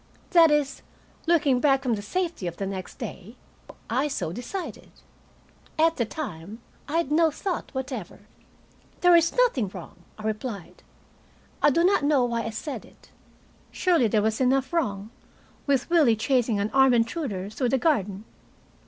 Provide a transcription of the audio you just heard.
That is, looking back from the safety of the next day, I so decided. At the time I had no thought whatever. "There is nothing wrong," I replied. I do not know why I said it. Surely there was enough wrong, with Willie chasing an armed intruder through the garden.